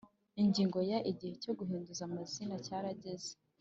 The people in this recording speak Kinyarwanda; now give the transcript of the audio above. Ingingo ya Igihe cyo guhinduza amazina cyarageze